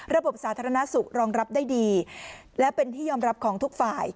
สาธารณสุขรองรับได้ดีและเป็นที่ยอมรับของทุกฝ่าย